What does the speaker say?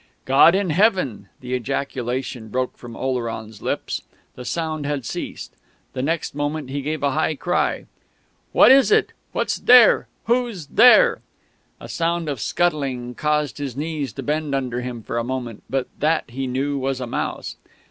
"God in Heaven!" The ejaculation broke from Oleron's lips. The sound had ceased. The next moment he had given a high cry. "What is it? What's there? Who's there?" A sound of scuttling caused his knees to bend under him for a moment; but that, he knew, was a mouse.